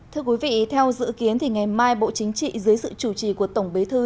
thưa quý vị theo dự kiến ngày mai bộ chính trị dưới sự chủ trì của tổng bế thư